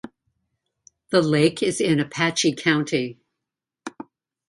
The lake is in Apache County.